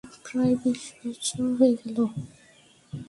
প্রায় বিশ বৎসর হয়ে গেল।